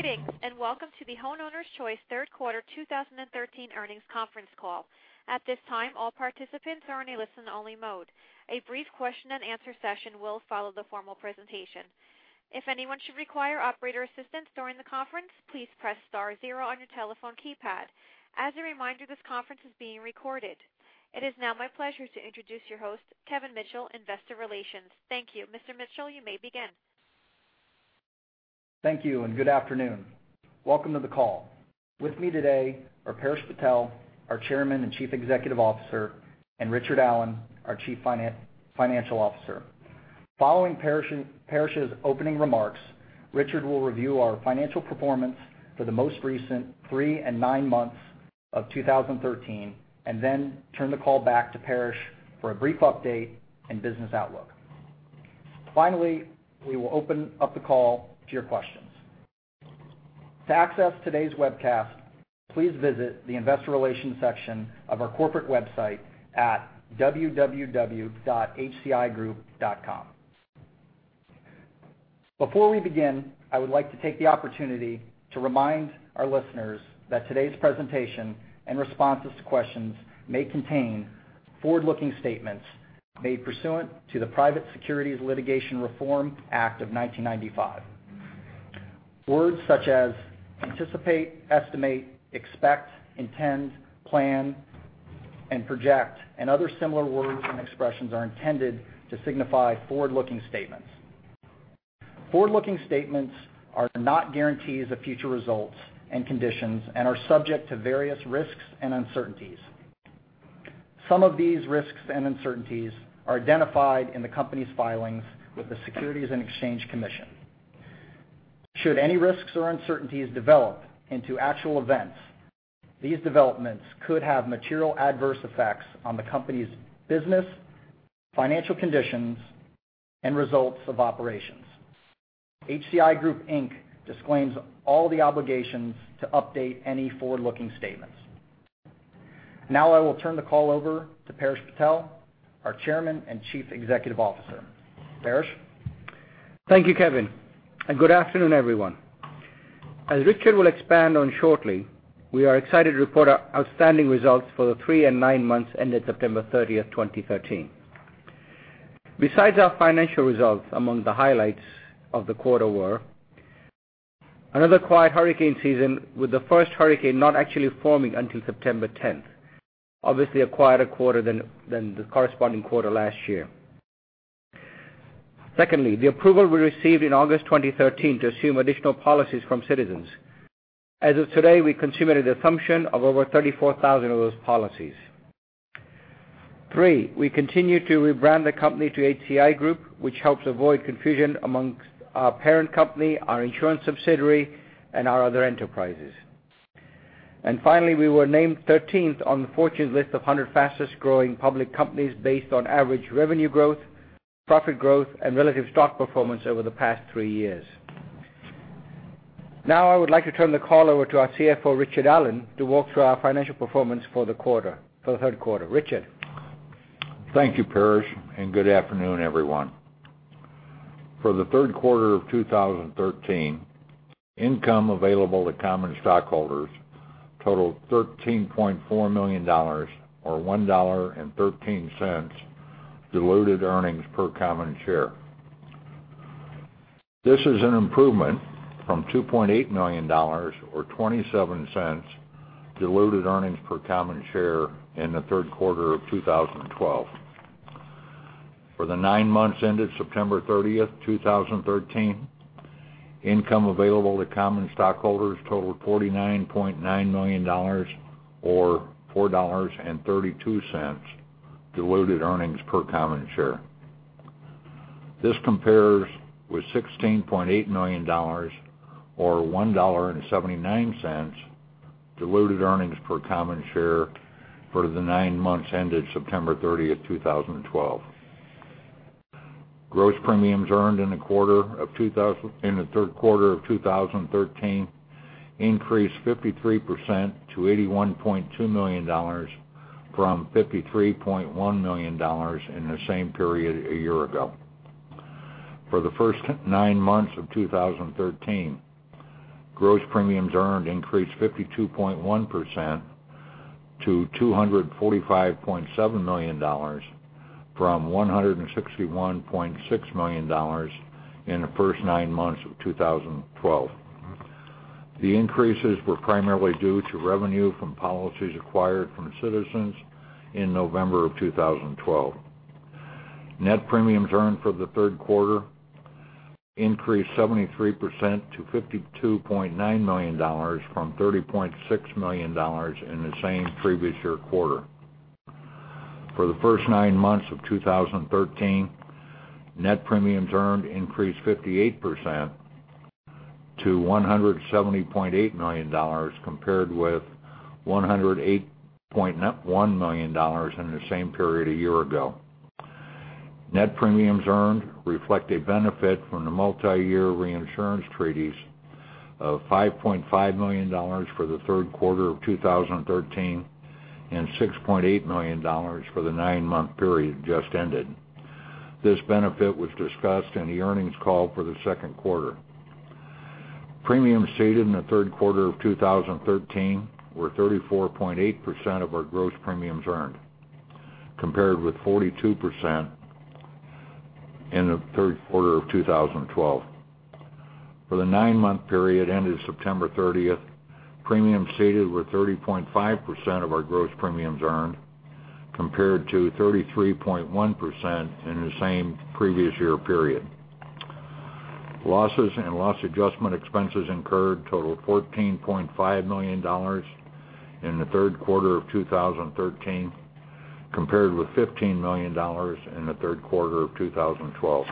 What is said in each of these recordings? Greetings, welcome to the Homeowners Choice third quarter 2013 earnings conference call. At this time, all participants are in a listen-only mode. A brief question and answer session will follow the formal presentation. If anyone should require operator assistance during the conference, please press star zero on your telephone keypad. As a reminder, this conference is being recorded. It is now my pleasure to introduce your host, Kevin Mitchell, Investor Relations. Thank you. Mr. Mitchell, you may begin. Thank you, good afternoon. Welcome to the call. With me today are Paresh Patel, our Chairman and Chief Executive Officer, and Richard Allen, our Chief Financial Officer. Following Paresh's opening remarks, Richard will review our financial performance for the most recent three and nine months of 2013, then turn the call back to Paresh for a brief update and business outlook. Finally, we will open up the call to your questions. To access today's webcast, please visit the investor relations section of our corporate website at www.hcigroup.com. Before we begin, I would like to take the opportunity to remind our listeners that today's presentation and responses to questions may contain forward-looking statements made pursuant to the Private Securities Litigation Reform Act of 1995. Words such as anticipate, estimate, expect, intend, plan, and project, and other similar words and expressions are intended to signify forward-looking statements. Forward-looking statements are not guarantees of future results and conditions and subject to various risks and uncertainties. Some of these risks and uncertainties are identified in the company's filings with the Securities and Exchange Commission. Should any risks or uncertainties develop into actual events, these developments could have material adverse effects on the company's business, financial conditions, and results of operations. HCI Group, Inc. disclaims all the obligations to update any forward-looking statements. I will turn the call over to Paresh Patel, our Chairman and Chief Executive Officer. Paresh. Thank you, Kevin, good afternoon, everyone. As Richard will expand on shortly, we are excited to report our outstanding results for the three and nine months ended September 30th, 2013. Besides our financial results, among the highlights of the quarter were another quiet hurricane season, with the first hurricane not actually forming until September 10th. Obviously, a quieter quarter than the corresponding quarter last year. Secondly, the approval we received in August 2013 to assume additional policies from Citizens. As of today, we consider the assumption of over 34,000 of those policies. Three, we continue to rebrand the company to HCI Group, which helps avoid confusion amongst our parent company, our insurance subsidiary, and our other enterprises. Finally, we were named 13th on the Fortune list of 100 Fastest-Growing Companies based on average revenue growth, profit growth, and relative stock performance over the past three years. I would like to turn the call over to our CFO, Richard Allen, to walk through our financial performance for the third quarter. Richard. Thank you, Paresh, and good afternoon, everyone. For the third quarter of 2013, income available to common stockholders totaled $13.4 million, or $1.13 diluted earnings per common share. This is an improvement from $2.8 million or $0.27 diluted earnings per common share in the third quarter of 2012. For the nine months ended September 30th, 2013, income available to common stockholders totaled $49.9 million or $4.32 diluted earnings per common share. This compares with $16.8 million or $1.79 diluted earnings per common share for the nine months ended September 30th, 2012. Gross premiums earned in the third quarter of 2013 increased 53% to $81.2 million from $53.1 million in the same period a year ago. For the first nine months of 2013, gross premiums earned increased 52.1% to $245.7 million from $161.6 million in the first nine months of 2012. The increases were primarily due to revenue from policies acquired from Citizens in November of 2012. Net premiums earned for the third quarter increased 73% to $52.9 million from $30.6 million in the same previous year quarter. For the first nine months of 2013, net premiums earned increased 58% to $170.8 million, compared with $108.1 million in the same period a year ago. Net premiums earned reflect a benefit from the multiyear reinsurance treaties of $5.5 million for the third quarter of 2013 and $6.8 million for the nine-month period just ended. This benefit was discussed in the earnings call for the second quarter. Premiums ceded in the third quarter of 2013 were 34.8% of our gross premiums earned, compared with 42% in the third quarter of 2012. For the nine-month period ended September 30th, premiums ceded were 30.5% of our gross premiums earned, compared to 33.1% in the same previous year period. Losses and loss adjustment expenses incurred totaled $14.5 million in the third quarter of 2013, compared with $15 million in the third quarter of 2012.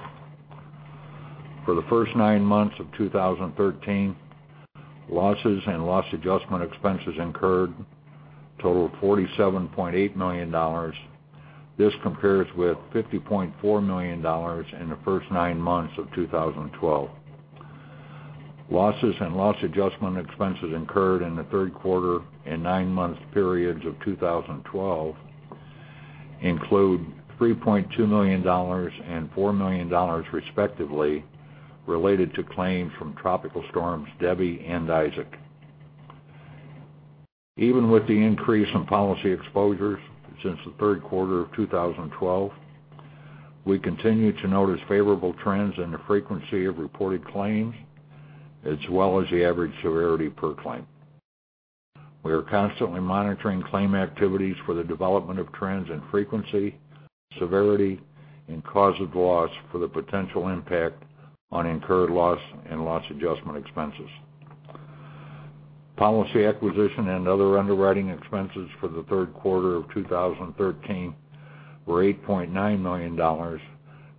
For the first nine months of 2013, losses and loss adjustment expenses incurred totaled $47.8 million. This compares with $50.4 million in the first nine months of 2012. Losses and loss adjustment expenses incurred in the third quarter and nine months periods of 2012 include $3.2 million and $4 million respectively related to claims from tropical storms Debby and Isaac. Even with the increase in policy exposures since the third quarter of 2012, we continue to notice favorable trends in the frequency of reported claims as well as the average severity per claim. We are constantly monitoring claim activities for the development of trends in frequency, severity, and cause of loss for the potential impact on incurred loss and loss adjustment expenses. Policy acquisition and other underwriting expenses for the third quarter of 2013 were $8.9 million,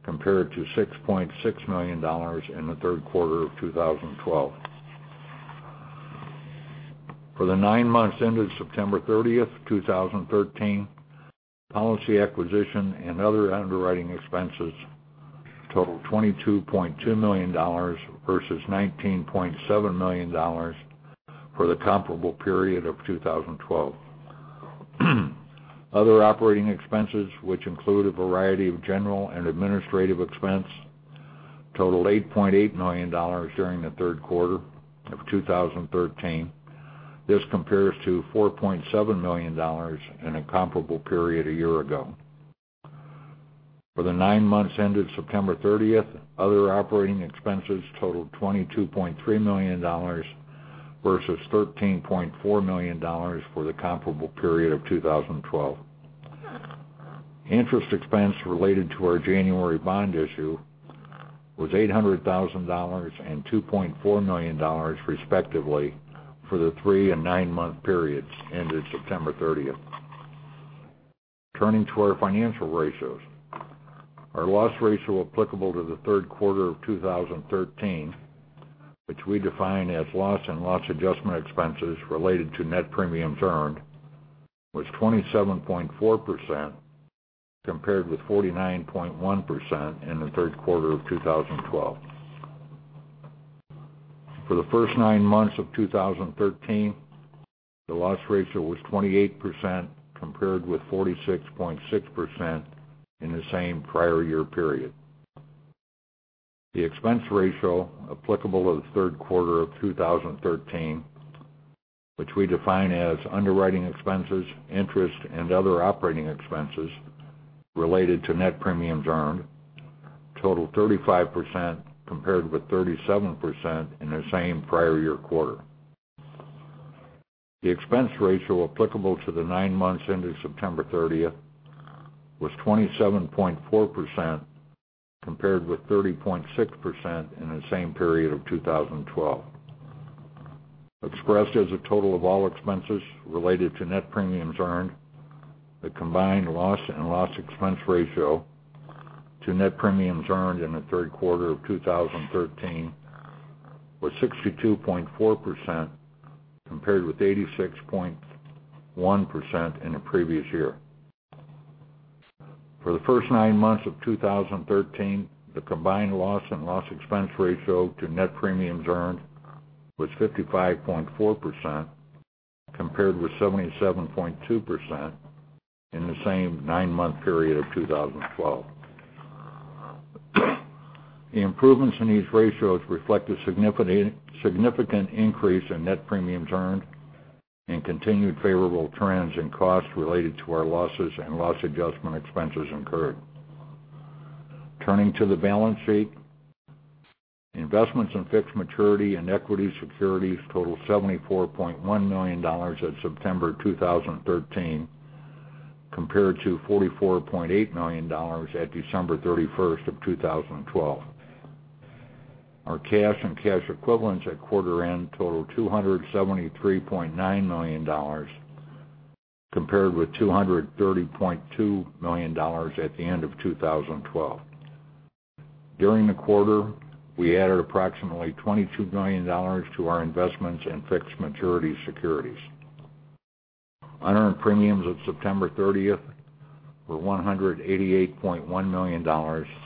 compared to $6.6 million in the third quarter of 2012. For the nine months ended September 30th, 2013, policy acquisition and other underwriting expenses totaled $22.2 million versus $19.7 million for the comparable period of 2012. Other operating expenses, which include a variety of general and administrative expense, totaled $8.8 million during the third quarter of 2013. This compares to $4.7 million in a comparable period a year ago. For the nine months ended September 30th, other operating expenses totaled $22.3 million versus $13.4 million for the comparable period of 2012. Interest expense related to our January bond issue was $800,000 and $2.4 million respectively for the three and nine-month periods ended September 30th. Turning to our financial ratios. Our loss ratio applicable to the third quarter of 2013, which we define as loss and loss adjustment expenses related to net premiums earned, was 27.4%, compared with 49.1% in the third quarter of 2012. For the first nine months of 2013, the loss ratio was 28%, compared with 46.6% in the same prior year period. The expense ratio applicable to the third quarter of 2013, which we define as underwriting expenses, interest, and other operating expenses related to net premiums earned, totaled 35%, compared with 37% in the same prior year quarter. The expense ratio applicable to the nine months ended September 30th was 27.4%, compared with 30.6% in the same period of 2012. Expressed as a total of all expenses related to net premiums earned, the combined loss and loss expense ratio to net premiums earned in the third quarter of 2013 was 62.4%, compared with 86.1% in the previous year. For the first nine months of 2013, the combined loss and loss expense ratio to net premiums earned was 55.4%, compared with 77.2% in the same nine-month period of 2012. The improvements in these ratios reflect a significant increase in net premiums earned and continued favorable trends in costs related to our losses and loss adjustment expenses incurred. Turning to the balance sheet. Investments in fixed maturity and equity securities totaled $74.1 million at September 2013, compared to $44.8 million at December 31st of 2012. Our cash and cash equivalents at quarter end totaled $273.9 million, compared with $230.2 million at the end of 2012. During the quarter, we added approximately $22 million to our investments in fixed maturity securities. Unearned premiums at September 30th were $188.1 million,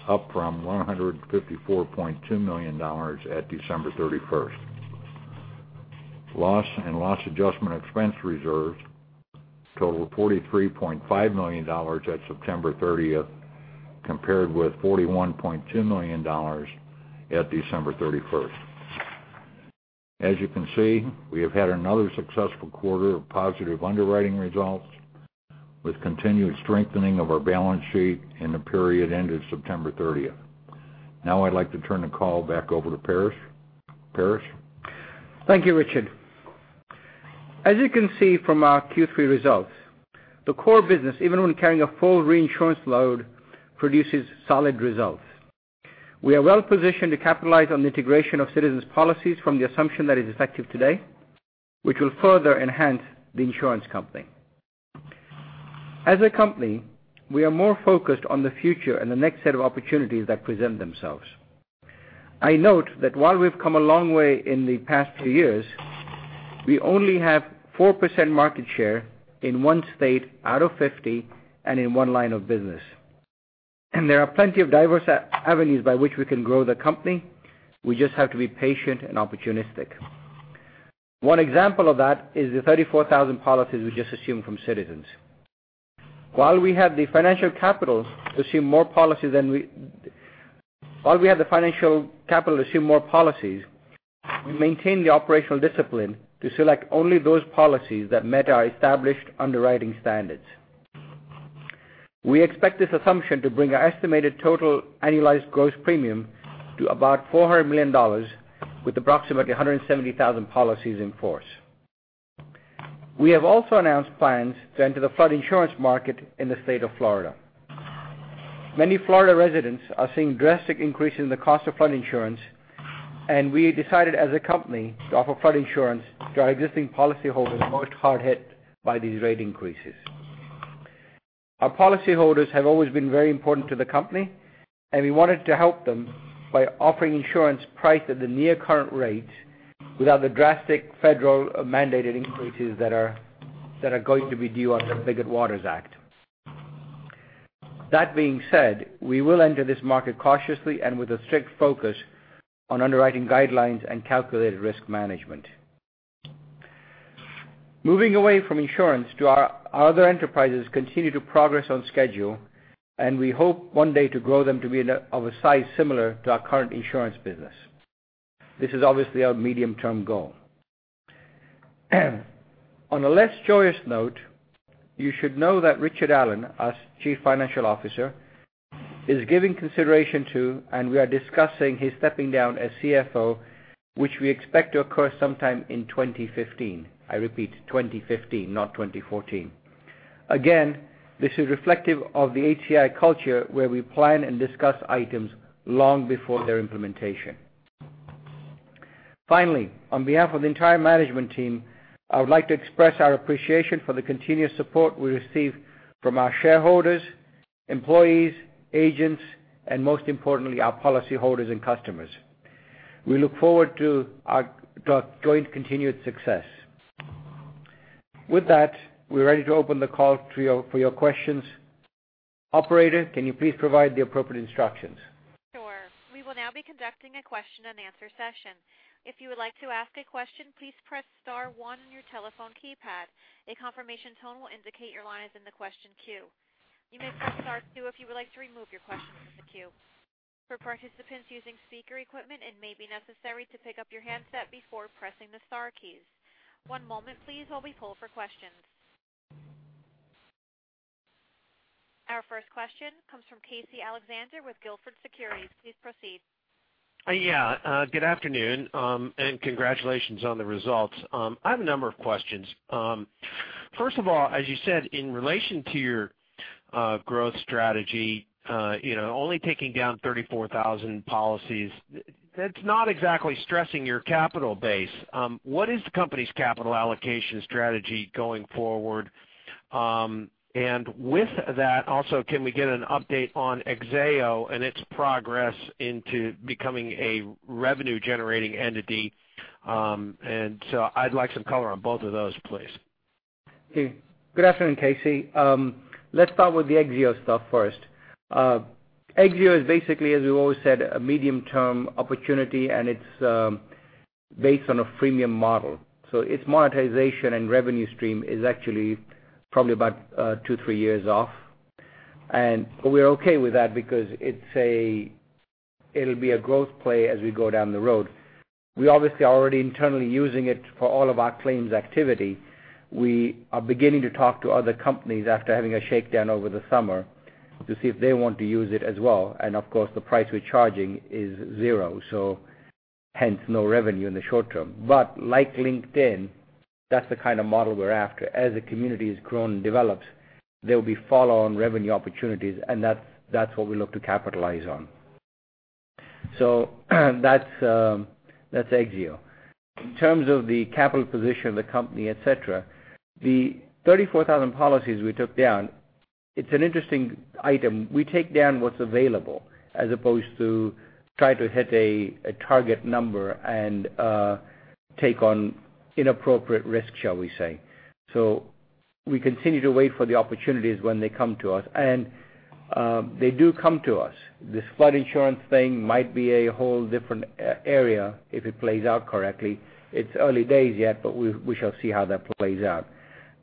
up from $154.2 million at December 31st. Loss and loss adjustment expense reserves totaled $43.5 million at September 30th, compared with $41.2 million at December 31st. As you can see, we have had another successful quarter of positive underwriting results, with continued strengthening of our balance sheet in the period ended September 30th. Now I'd like to turn the call back over to Paresh. Paresh? Thank you, Richard. As you can see from our Q3 results, the core business, even when carrying a full reinsurance load, produces solid results. We are well positioned to capitalize on the integration of Citizens' policies from the assumption that is effective today, which will further enhance the insurance company. As a company, we are more focused on the future and the next set of opportunities that present themselves. There are plenty of diverse avenues by which we can grow the company. We just have to be patient and opportunistic. One example of that is the 34,000 policies we just assumed from Citizens. While we have the financial capital to assume more policies, we maintain the operational discipline to select only those policies that met our established underwriting standards. We expect this assumption to bring our estimated total annualized gross premium to about $400 million with approximately 170,000 policies in force. We have also announced plans to enter the flood insurance market in the state of Florida. Many Florida residents are seeing drastic increase in the cost of flood insurance, and we decided as a company to offer flood insurance to our existing policyholders most hard hit by these rate increases. Our policyholders have always been very important to the company, and we wanted to help them by offering insurance priced at the near current rate without the drastic federal mandated increases that are going to be due on the Biggert-Waters Act. That being said, we will enter this market cautiously and with a strict focus on underwriting guidelines and calculated risk management. Moving away from insurance, our other enterprises continue to progress on schedule, and we hope one day to grow them to be of a size similar to our current insurance business. This is obviously our medium-term goal. On a less joyous note, you should know that Richard Allen, as Chief Financial Officer, is giving consideration to, and we are discussing his stepping down as CFO, which we expect to occur sometime in 2015. I repeat, 2015, not 2014. Again, this is reflective of the HCI culture, where we plan and discuss items long before their implementation. Finally, on behalf of the entire management team, I would like to express our appreciation for the continuous support we receive from our shareholders, employees, agents, and most importantly, our policyholders and customers. We look forward to our joint continued success. With that, we're ready to open the call for your questions. Operator, can you please provide the appropriate instructions? Sure. We will now be conducting a question and answer session. If you would like to ask a question, please press star one on your telephone keypad. A confirmation tone will indicate your line is in the question queue. You may press star two if you would like to remove your question from the queue. For participants using speaker equipment, it may be necessary to pick up your handset before pressing the star keys. One moment, please, while we pull for questions. Our first question comes from Casey Alexander with Gilford Securities. Please proceed. Yeah. Good afternoon, and congratulations on the results. I have a number of questions. First of all, as you said, in relation to your growth strategy, only taking down 34,000 policies, that's not exactly stressing your capital base. What is the company's capital allocation strategy going forward? With that, also, can we get an update on Exzeo and its progress into becoming a revenue-generating entity? I'd like some color on both of those, please. Okay. Good afternoon, Casey. Let's start with the Exzeo stuff first. Exzeo is basically, as we've always said, a medium-term opportunity, and it's based on a freemium model. Its monetization and revenue stream is actually probably about two, three years off. We're okay with that because it'll be a growth play as we go down the road. We obviously are already internally using it for all of our claims activity. We are beginning to talk to other companies after having a shakedown over the summer to see if they want to use it as well. Of course, the price we're charging is zero. Hence no revenue in the short term. Like LinkedIn, that's the kind of model we're after. As the community has grown and developed, there will be follow-on revenue opportunities, and that's what we look to capitalize on. That's Exzeo. In terms of the capital position of the company, et cetera, the 34,000 policies we took down, it's an interesting item. We take down what's available as opposed to try to hit a target number and take on inappropriate risk, shall we say. We continue to wait for the opportunities when they come to us, and they do come to us. This flood insurance thing might be a whole different area if it plays out correctly. It's early days yet, but we shall see how that plays out.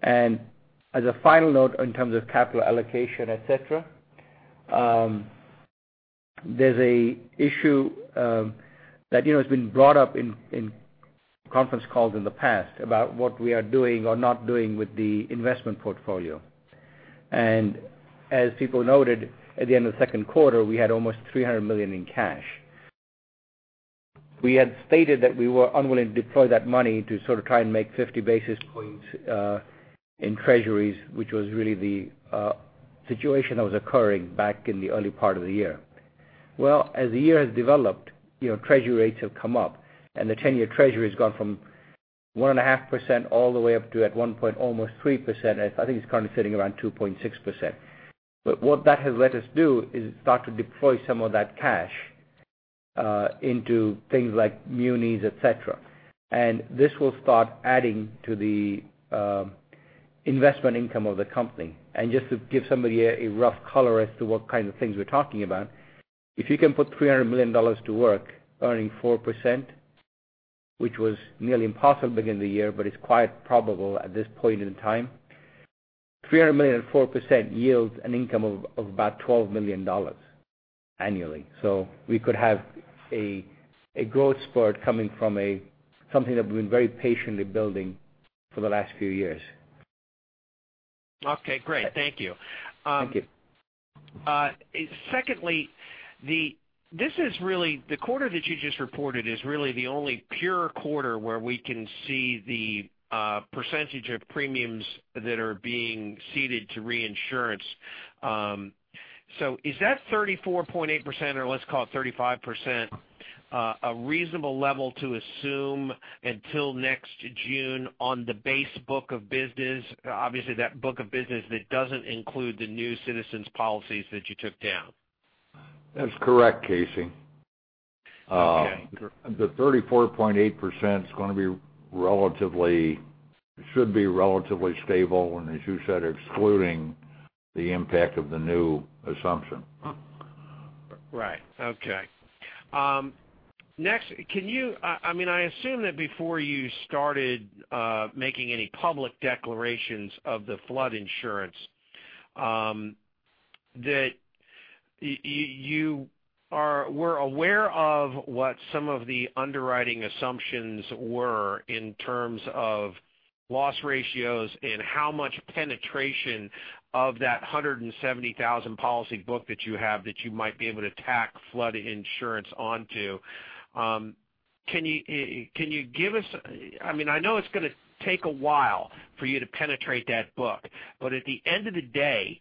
As a final note, in terms of capital allocation, et cetera, there's an issue that has been brought up in conference calls in the past about what we are doing or not doing with the investment portfolio. As people noted at the end of the second quarter, we had almost $300 million in cash. We had stated that we were unwilling to deploy that money to sort of try and make 50 basis points in treasuries, which was really the situation that was occurring back in the early part of the year. As the year has developed, treasury rates have come up, the 10-year treasury has gone from 1.5% all the way up to at one point almost 3%, and I think it's kind of sitting around 2.6%. What that has let us do is start to deploy some of that cash into things like munis, et cetera. This will start adding to the investment income of the company. Just to give somebody a rough color as to what kind of things we're talking about, if you can put $300 million to work earning 4%, which was nearly impossible to begin the year, but it's quite probable at this point in time, $300 million at 4% yields an income of about $12 million annually. We could have a growth spurt coming from something that we've been very patiently building for the last few years. Okay, great. Thank you. Thank you. Secondly, the quarter that you just reported is really the only pure quarter where we can see the percentage of premiums that are being ceded to reinsurance. Is that 34.8%, or let's call it 35%, a reasonable level to assume until next June on the base book of business? Obviously, that book of business that doesn't include the new Citizens policies that you took down. That's correct, Casey. Okay. The 34.8% should be relatively stable and, as you said, excluding the impact of the new assumption. Right. Okay. Next, I assume that before you started making any public declarations of the flood insurance, that you were aware of what some of the underwriting assumptions were in terms of loss ratios and how much penetration of that 170,000 policy book that you have that you might be able to tack flood insurance onto. I know it's going to take a while for you to penetrate that book, but at the end of the day,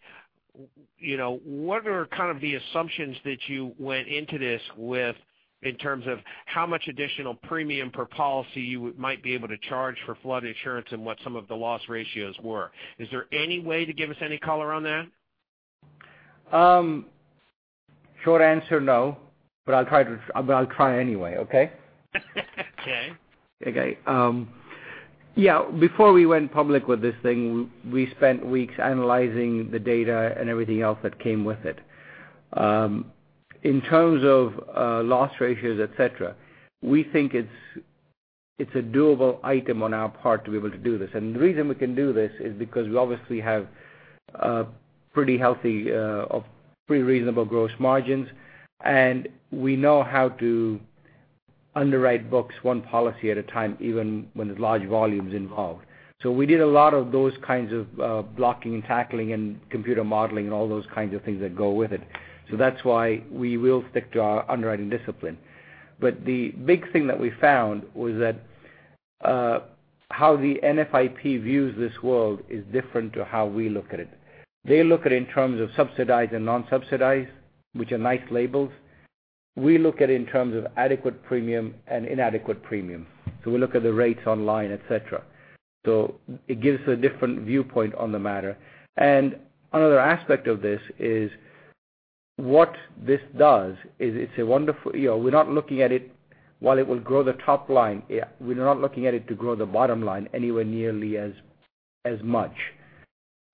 what are kind of the assumptions that you went into this with in terms of how much additional premium per policy you might be able to charge for flood insurance and what some of the loss ratios were? Is there any way to give us any color on that? Short answer, no, but I'll try anyway, okay? Okay. Okay. Yeah, before we went public with this thing, we spent weeks analyzing the data and everything else that came with it. In terms of loss ratios, et cetera, we think it's a doable item on our part to be able to do this. The reason we can do this is because we obviously have pretty healthy, pretty reasonable gross margins, and we know how to underwrite books one policy at a time, even when there's large volumes involved. We did a lot of those kinds of blocking and tackling and computer modeling and all those kinds of things that go with it. That's why we will stick to our underwriting discipline. The big thing that we found was that how the NFIP views this world is different to how we look at it. They look at it in terms of subsidized and non-subsidized, which are nice labels. We look at it in terms of adequate premium and inadequate premium. We look at the rates online, et cetera. It gives a different viewpoint on the matter. Another aspect of this is what this does is We're not looking at it while it will grow the top line. We're not looking at it to grow the bottom line anywhere nearly as much.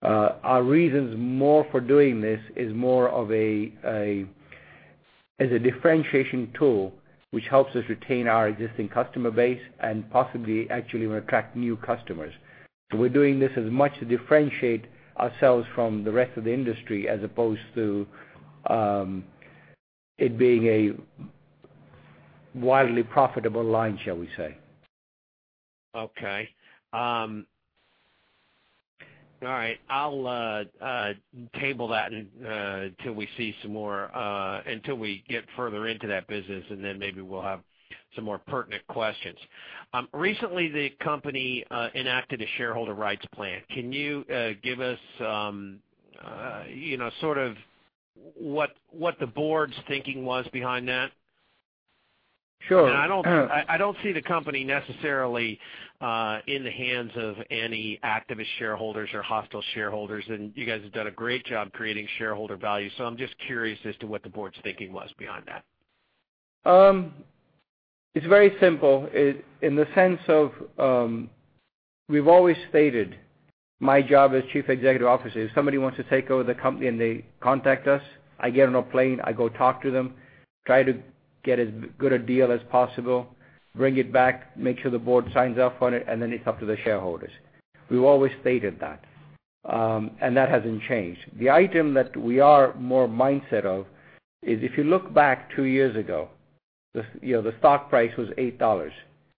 Our reasons more for doing this is more of a differentiation tool, which helps us retain our existing customer base and possibly actually attract new customers. We're doing this as much to differentiate ourselves from the rest of the industry as opposed to it being a widely profitable line, shall we say. Okay. All right. I'll table that until we get further into that business, maybe we'll have some more pertinent questions. Recently, the company enacted a shareholder rights plan. Can you give us sort of what the board's thinking was behind that? Sure. I don't see the company necessarily in the hands of any activist shareholders or hostile shareholders, and you guys have done a great job creating shareholder value. I'm just curious as to what the board's thinking was behind that. It's very simple in the sense of, we've always stated my job as Chief Executive Officer is if somebody wants to take over the company and they contact us, I get on a plane, I go talk to them, try to get as good a deal as possible, bring it back, make sure the board signs off on it, and then it's up to the shareholders. We've always stated that, and that hasn't changed. The item that we are more mindset of is if you look back two years ago, the stock price was $8.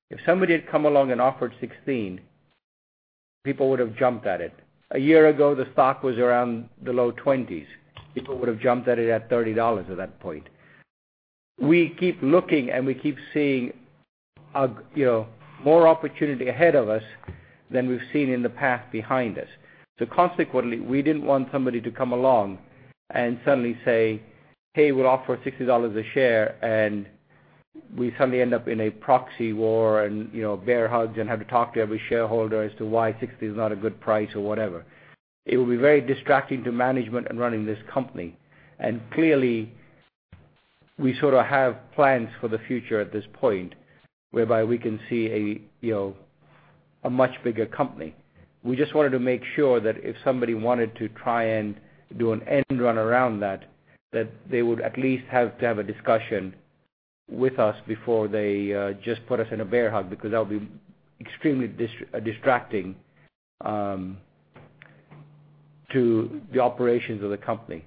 If somebody had come along and offered 16, people would have jumped at it. A year ago, the stock was around the low 20s. People would have jumped at it at $30 at that point. We keep looking and we keep seeing more opportunity ahead of us than we've seen in the past behind us. Consequently, we didn't want somebody to come along and suddenly say, "Hey, we'll offer $60 a share," and we suddenly end up in a proxy war and bear hugs and have to talk to every shareholder as to why 60 is not a good price or whatever. It would be very distracting to management in running this company. Clearly, we sort of have plans for the future at this point whereby we can see a much bigger company. We just wanted to make sure that if somebody wanted to try and do an end run around that they would at least have to have a discussion with us before they just put us in a bear hug, because that would be extremely distracting to the operations of the company.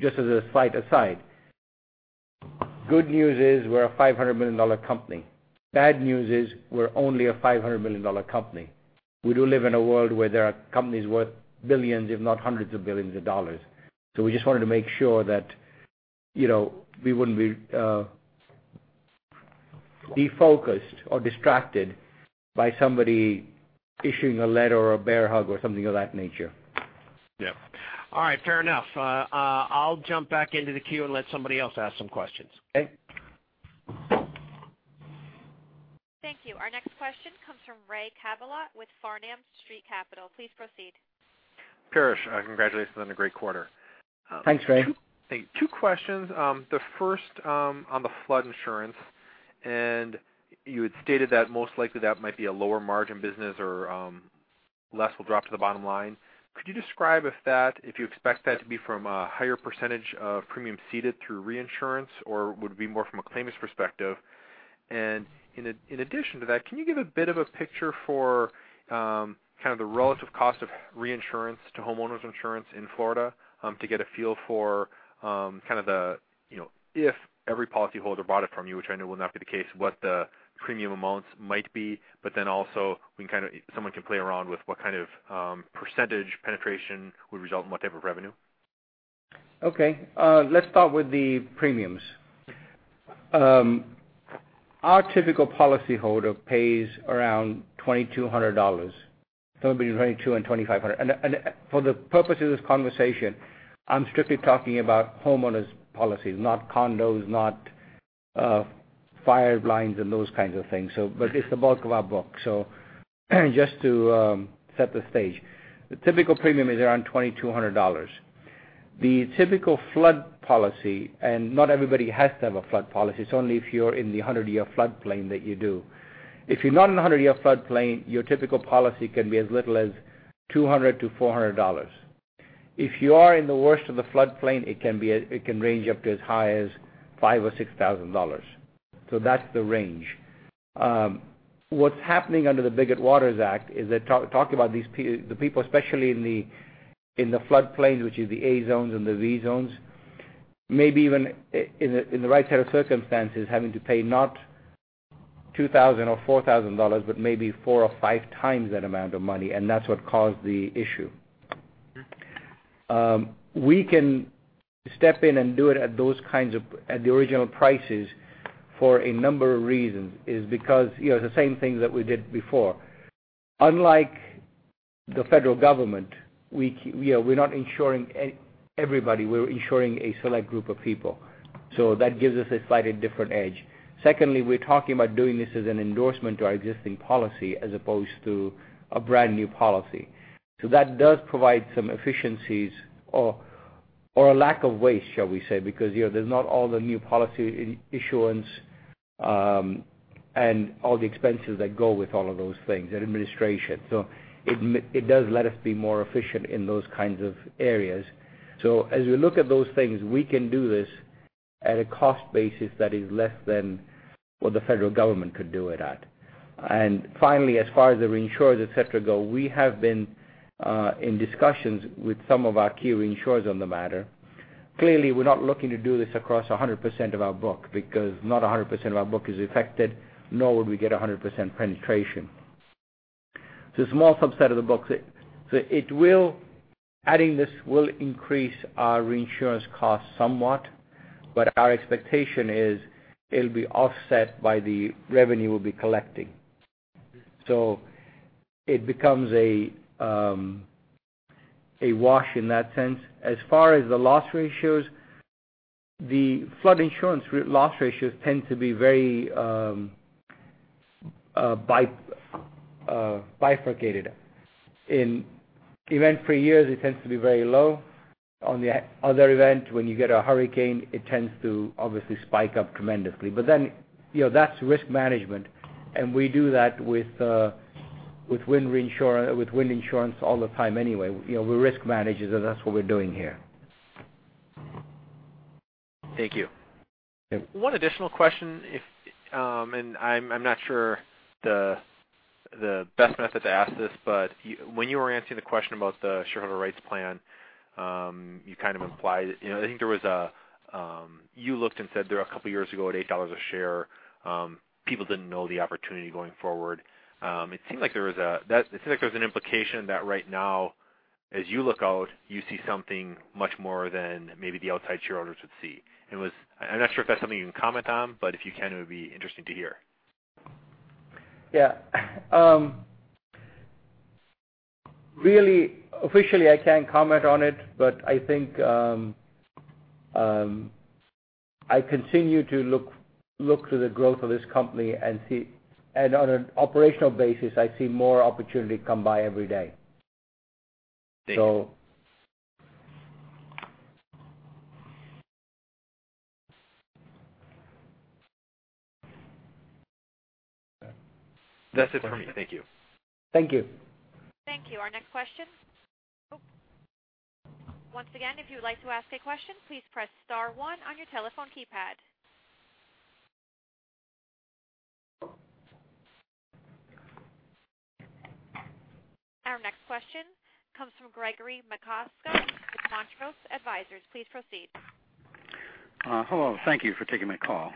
Just as a slight aside, good news is we're a $500 million company. Bad news is we're only a $500 million company. We do live in a world where there are companies worth billions, if not hundreds of billions of dollars. We just wanted to make sure that we wouldn't be defocused or distracted by somebody issuing a letter or a bear hug or something of that nature. Yep. All right. Fair enough. I'll jump back into the queue and let somebody else ask some questions. Okay. Thank you. Our next question comes from Ray Cabillot with Farnam Street Capital. Please proceed. Paresh, congratulations on a great quarter. Thanks, Ray. Two questions. The first on the flood insurance, you had stated that most likely that might be a lower margin business or less will drop to the bottom line. Could you describe if you expect that to be from a higher percentage of premium ceded through reinsurance, or would it be more from a claims perspective? In addition to that, can you give a bit of a picture for kind of the relative cost of reinsurance to homeowners insurance in Florida to get a feel for if every policyholder bought it from you, which I know will not be the case, what the premium amounts might be, but then also someone can play around with what kind of percentage penetration would result in what type of revenue? Okay. Let's start with the premiums. Our typical policyholder pays around $2,200. Somewhere between $2,200 and $2,500. For the purpose of this conversation, I'm strictly talking about homeowners policies, not condos, not fire lines and those kinds of things. It's the bulk of our book. Just to set the stage, the typical premium is around $2,200. The typical flood policy, not everybody has to have a flood policy, it's only if you're in the 100-year flood plain that you do. If you're not in the 100-year flood plain, your typical policy can be as little as $200-$400. If you are in the worst of the flood plain, it can range up to as high as $5,000 or $6,000. That's the range. What's happening under the Biggert-Waters Act is they're talking about the people, especially in the flood plains, which is the Zone A and the Zone V, maybe even in the right set of circumstances, having to pay not $2,000 or $4,000, but maybe 4 or 5 times that amount of money, that's what caused the issue. We can step in and do it at the original prices for a number of reasons, is because the same things that we did before. Unlike the federal government, we're not insuring everybody, we're insuring a select group of people. That gives us a slightly different edge. Secondly, we're talking about doing this as an endorsement to our existing policy as opposed to a brand new policy. That does provide some efficiencies or a lack of waste, shall we say, because there's not all the new policy issuance and all the expenses that go with all of those things and administration. It does let us be more efficient in those kinds of areas. As you look at those things, we can do this at a cost basis that is less than what the federal government could do it at. Finally, as far as the reinsurers, et cetera, go, we have been in discussions with some of our key reinsurers on the matter. Clearly, we're not looking to do this across 100% of our book because not 100% of our book is affected, nor would we get 100% penetration. It's a small subset of the book. Adding this will increase our reinsurance cost somewhat, but our expectation is it'll be offset by the revenue we'll be collecting. It becomes a wash in that sense. As far as the loss ratios, the flood insurance loss ratios tend to be very bifurcated. In event free years, it tends to be very low. On the other event, when you get a hurricane, it tends to obviously spike up tremendously. That's risk management, and we do that with wind insurance all the time anyway. We risk manage it, and that's what we're doing here. Thank you. Yep. One additional question. I'm not sure the best method to ask this, when you were answering the question about the shareholder rights plan, you kind of implied, I think you looked and said there a couple of years ago at $8 a share, people didn't know the opportunity going forward. It seemed like there was an implication that right now, as you look out, you see something much more than maybe the outside shareholders would see. I'm not sure if that's something you can comment on, but if you can, it would be interesting to hear. Yeah. Really, officially, I can't comment on it, but I think, I continue to look to the growth of this company, and on an operational basis, I see more opportunity come by every day. Thank you. So. That's it for me. Thank you. Thank you. Thank you. Our next question. Once again, if you would like to ask a question, please press star one on your telephone keypad. Our next question comes from Gregory Macosko with Contrails Advisors. Please proceed. Hello. Thank you for taking my call.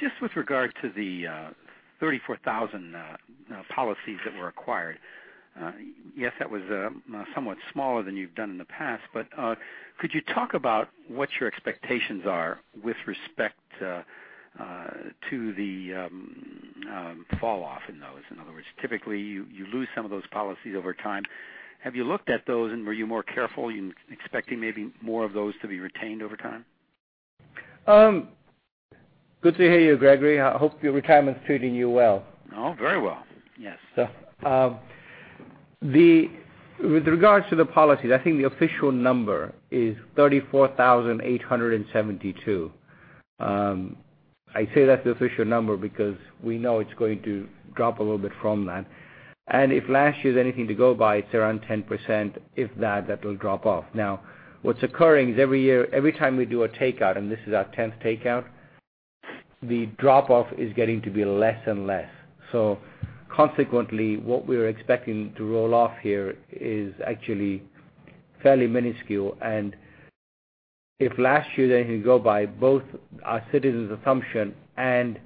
Just with regards to the 34,000 policies that were acquired. Yes, that was somewhat smaller than you've done in the past, could you talk about what your expectations are with respect to the fall off in those? In other words, typically you lose some of those policies over time. Have you looked at those, were you more careful in expecting maybe more of those to be retained over time? Good to hear you, Gregory. I hope your retirement's treating you well. Oh, very well. Yes. With regards to the policies, I think the official number is 34,872. I say that's the official number because we know it's going to drop a little bit from that. If last year's anything to go by, it's around 10%, if that will drop off. What's occurring is every year, every time we do a takeout, and this is our 10th takeout, the drop off is getting to be less and less. Consequently, what we're expecting to roll off here is actually fairly minuscule. If last year's anything to go by, both our Citizens' assumption and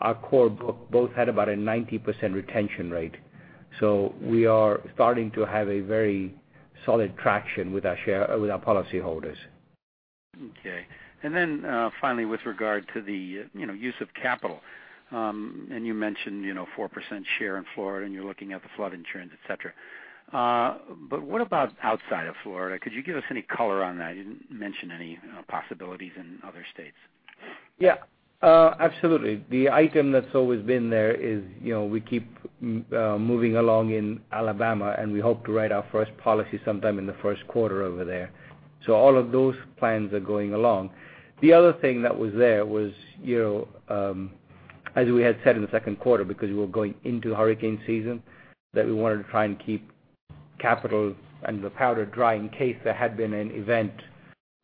our core book both had about a 90% retention rate. We are starting to have a very solid traction with our policy holders. Okay. Finally, with regard to the use of capital, you mentioned 4% share in Florida, you're looking at the flood insurance, et cetera. What about outside of Florida? Could you give us any color on that? You didn't mention any possibilities in other states. Yeah. Absolutely. The item that's always been there is we keep moving along in Alabama, we hope to write our first policy sometime in the first quarter over there. All of those plans are going along. The other thing that was there was, as we had said in the second quarter, because we were going into hurricane season, that we wanted to try and keep capital and the powder dry in case there had been an event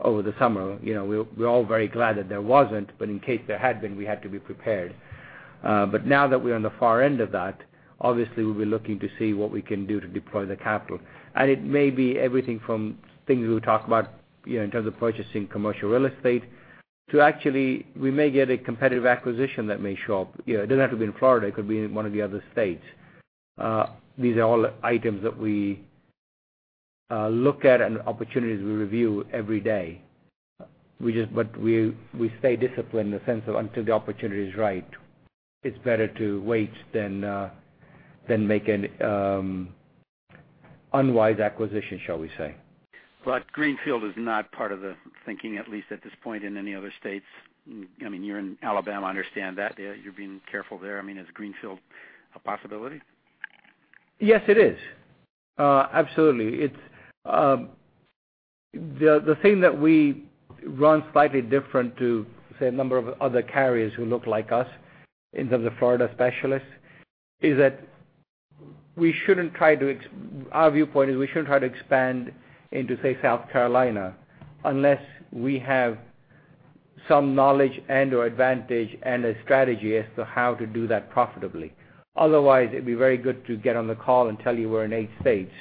over the summer. We're all very glad that there wasn't, in case there had been, we had to be prepared. Now that we're on the far end of that, obviously we'll be looking to see what we can do to deploy the capital. It may be everything from things we talk about in terms of purchasing commercial real estate to actually, we may get a competitive acquisition that may show up. It doesn't have to be in Florida. It could be in one of the other states. These are all items that we look at and opportunities we review every day. We stay disciplined in the sense of, until the opportunity is right, it's better to wait than make an unwise acquisition, shall we say. Greenfield is not part of the thinking, at least at this point, in any other states. You're in Alabama. I understand that. You're being careful there. Is Greenfield a possibility? Yes, it is. Absolutely. The thing that we run slightly different to, say, a number of other carriers who look like us in terms of Florida specialists, is that our viewpoint is we shouldn't try to expand into, say, South Carolina unless we have some knowledge and/or advantage and a strategy as to how to do that profitably. Otherwise, it'd be very good to get on the call and tell you we're in eight states,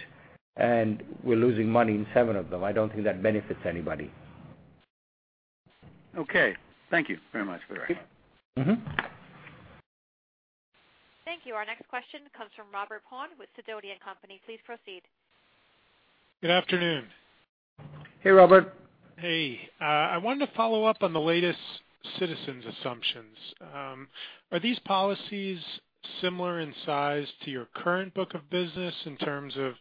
and we're losing money in seven of them. I don't think that benefits anybody. Okay. Thank you very much for that. Thank you. Our next question comes from Robert Pond with Sidoti & Company. Please proceed. Good afternoon. Hey, Robert. Hey. I wanted to follow up on the latest Citizens' assumptions. Are these policies similar in size to your current book of business in terms of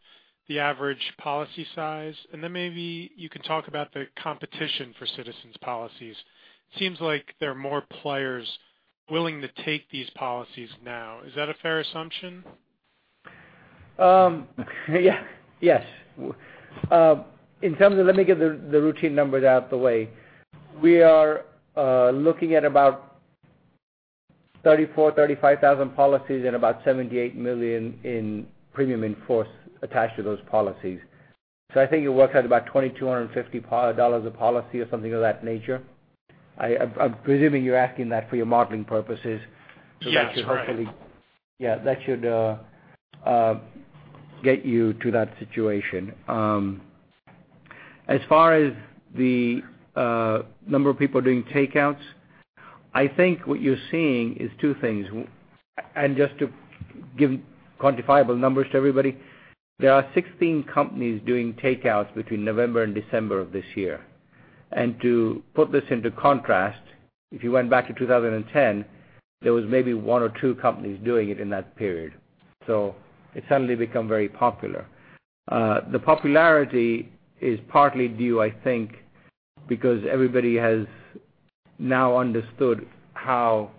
the average policy size? Maybe you could talk about the competition for Citizens' policies. Seems like there are more players willing to take these policies now. Is that a fair assumption? Yes. Let me get the routine numbers out the way. We are looking at about 34, 35 thousand policies and about $78 million in premium in force attached to those policies. I think it works out about $2,250 a policy or something of that nature. I'm presuming you're asking that for your modeling purposes. Yes, that's right. Yeah, that should get you to that situation. As far as the number of people doing takeouts, I think what you're seeing is two things. Just to give quantifiable numbers to everybody, there are 16 companies doing takeouts between November and December of this year. To put this into contrast, if you went back to 2010, there was maybe one or two companies doing it in that period. It's suddenly become very popular. The popularity is partly due, I think, because everybody has now understood how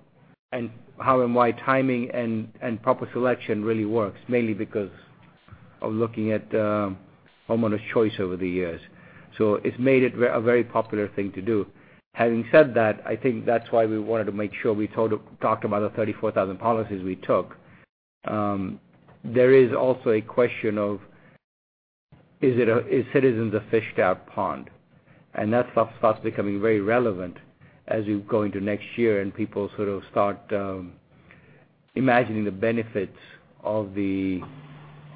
and why timing and proper selection really works, mainly because of looking at Homeowners Choice over the years. It's made it a very popular thing to do. Having said that, I think that's why we wanted to make sure we talked about the 34,000 policies we took. There is also a question of, is Citizens a fished out pond? That stuff starts becoming very relevant as you go into next year and people sort of start imagining the benefits of the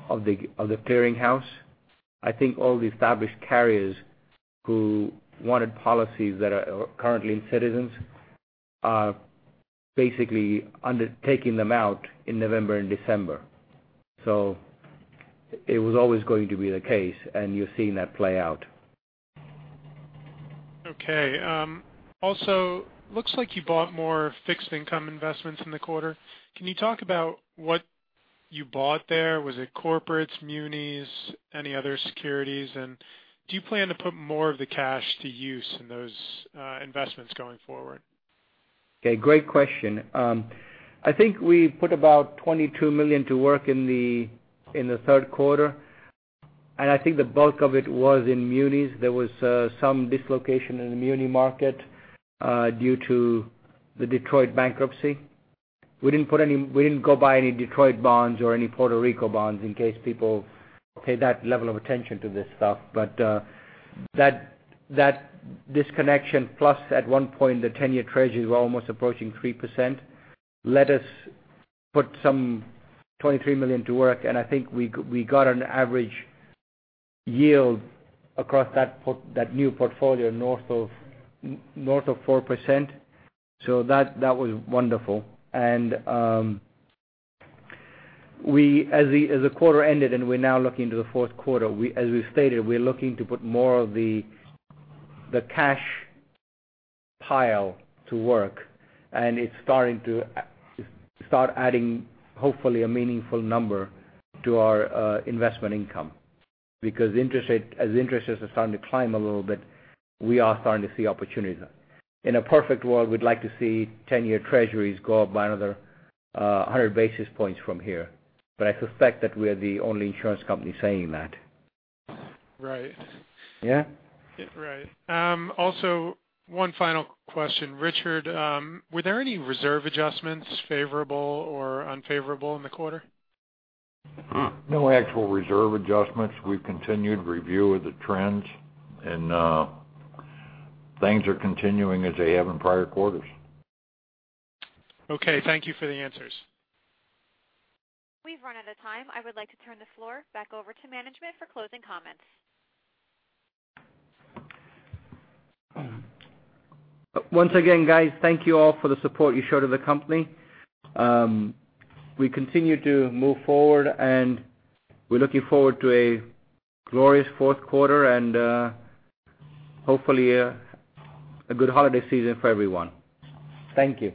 clearinghouse. I think all the established carriers who wanted policies that are currently in Citizens are basically undertaking them out in November and December. It was always going to be the case, and you're seeing that play out. Okay. Also, looks like you bought more fixed income investments in the quarter. Can you talk about what you bought there? Was it corporates, munis, any other securities? Do you plan to put more of the cash to use in those investments going forward? Okay, great question. I think we put about $22 million to work in the third quarter, and I think the bulk of it was in munis. There was some dislocation in the muni market due to the Detroit bankruptcy. We didn't go buy any Detroit bonds or any Puerto Rico bonds in case people pay that level of attention to this stuff. That disconnection, plus at one point, the 10-year treasuries were almost approaching 3%, let us put some $23 million to work, and I think we got an average yield across that new portfolio north of 4%. That was wonderful. As the quarter ended and we're now looking into the fourth quarter, as we stated, we're looking to put more of the cash pile to work, and it's starting to add, hopefully, a meaningful number to our investment income. As interest rates are starting to climb a little bit, we are starting to see opportunities. In a perfect world, we'd like to see 10-year treasuries go up by another 100 basis points from here. I suspect that we're the only insurance company saying that. Right. Yeah. Right. Also, one final question. Richard, were there any reserve adjustments, favorable or unfavorable in the quarter? No actual reserve adjustments. We've continued review of the trends, and things are continuing as they have in prior quarters. Okay. Thank you for the answers. We've run out of time. I would like to turn the floor back over to management for closing comments. Once again, guys, thank you all for the support you showed to the company. We continue to move forward, and we're looking forward to a glorious fourth quarter and hopefully a good holiday season for everyone. Thank you.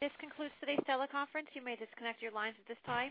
This concludes today's teleconference. You may disconnect your lines at this time.